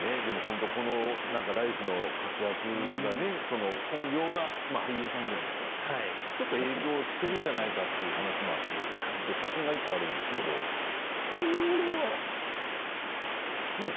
この「ＬＩＦＥ！」の活躍が本業が俳優さんじゃないですかちょっと影響しているんじゃないかという話もあって写真が１個あるんですけれどこちらは？